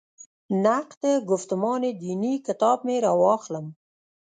«نقد ګفتمان دیني» کتاب مې راواخلم.